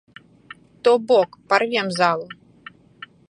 То бок, парвем залу.